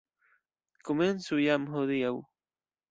Komencu jam hodiaŭ!